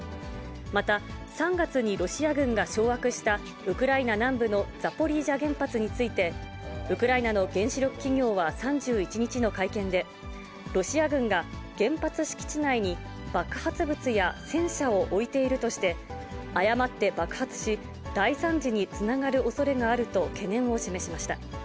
また、３月にロシア軍が掌握した、ウクライナ南部のザポリージャ原発について、ウクライナの原子力企業は３１日の会見で、ロシア軍が原発敷地内に爆発物や戦車を置いているとして、誤って爆発し、大惨事につながるおそれがあると懸念を示しました。